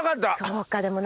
そうかでも。